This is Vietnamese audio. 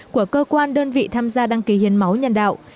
của cơ quan đơn vị tham gia đăng ký hiến máu nhân đạo